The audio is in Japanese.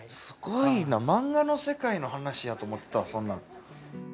すごいなマンガの世界の話やと思ってたわ。